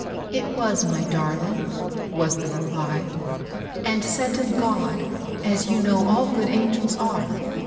"It was, my darling," was the reply; "and sent of God, as you know all good angels are.'